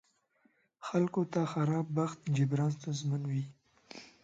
خلکو ته خراب بخت جبران ستونزمن وي.